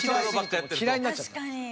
嫌いになっちゃった。